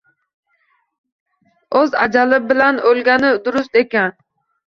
Oʻz ajali bilan oʻlgani durust ekan.